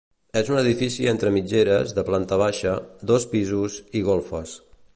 És un edifici entre mitgeres de planta baixa, dos pisos i golfes.